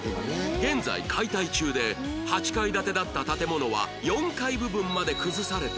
現在解体中で８階建てだった建物は４階部分まで崩されており